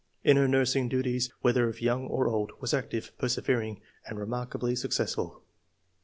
In her nursing duties, whether of young or old, was active, persevering, and re markably successful.''